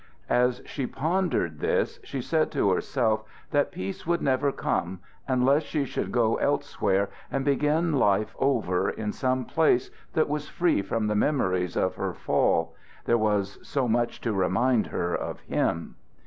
As she pondered this she said to herself that peace would never come unless she should go elsewhere and begin life over in some place that was free from the memories of her fall, there was so much to remind her of him.